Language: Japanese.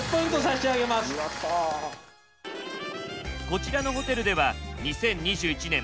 こちらのホテルでは２０２１年